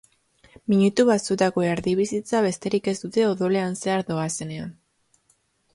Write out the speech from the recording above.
Minutu batzuetako erdibizitza besterik ez dute odolean zehar doazenean.